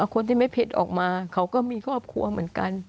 คนที่ไม่ผิดออกมาเขาก็มีครอบครัวเหมือนกัน